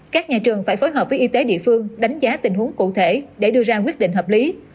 các nhà trường phải phối hợp với y tế địa phương đánh giá tình huống cụ thể để đưa ra quyết định hợp lý